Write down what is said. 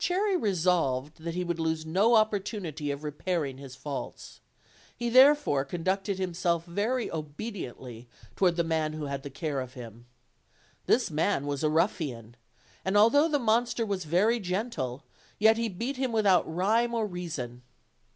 Cherry resolved that he would lose no opportunity of repairing his faults; he therefore conducted himself very obediently toward the man who had the care of him. This man was a ruffian, and although the monster was very gentle, he yet beat him without rhyme or reason.